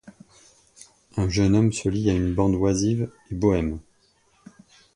Un jeune homme se lie à une bande oisive et bohème.